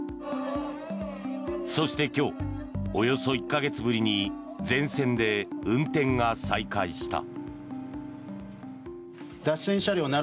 そして、今日およそ１か月ぶりに全線で運転が再開した。